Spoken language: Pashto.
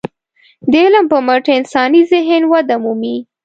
د علم په مټ انساني ذهن وده مومي.